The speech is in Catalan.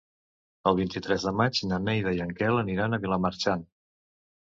El vint-i-tres de maig na Neida i en Quel aniran a Vilamarxant.